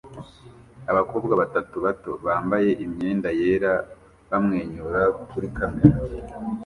Abakobwa batatu bato bambaye imyenda yera bamwenyura kuri kamera